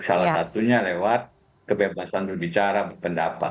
salah satunya lewat kebebasan berbicara berpendapat